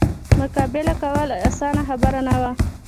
مقابله کول اسانه خبره نه وه.